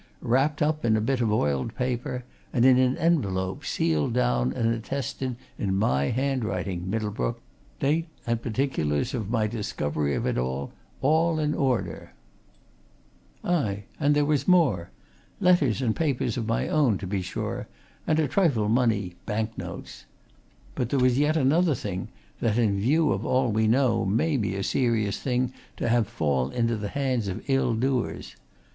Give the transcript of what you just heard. Wrapped up in a bit of oiled paper, and in an envelope, sealed down and attested in my handwriting, Middlebrook date and particulars of my discovery of it, all in order. Aye, and there was more. Letters and papers of my own, to be sure, and a trifle money bank notes. But there was yet another thing that, in view of all we know, may be a serious thing to have fall into the hands of ill doers.